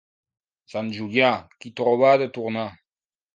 Sant Julià, qui troba ha de tornar.